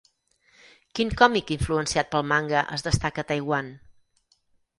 Quin còmic influenciat pel manga es destaca a Taiwan?